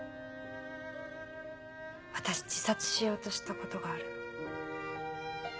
私自殺しようとしたことがあるの。